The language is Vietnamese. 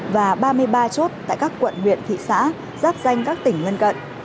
và ba mươi ba chốt tại các quận nguyện thị xã giáp danh các tỉnh ngân cận